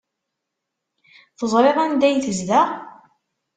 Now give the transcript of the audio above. Teẓriḍ anda ay tezdeɣ?